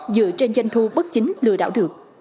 dựa trên doanh thu bất chính lừa đảo được